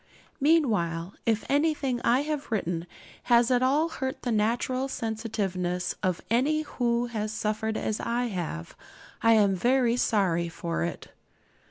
Meanwhile, if anything I have written has at all hurt the natural sensitiveness of any who has suffered as I have, I am very sorry for it.